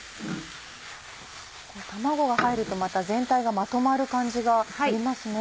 卵が入るとまた全体がまとまる感じがありますね。